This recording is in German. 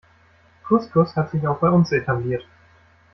Couscous hat sich auch bei uns etabliert.